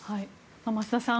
増田さん